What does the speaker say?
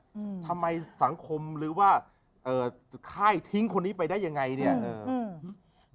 อืมทำไมสังคมหรือว่าเอ่อสุดท้ายทิ้งคนนี้ไปได้ยังไงเนี้ยเอออืม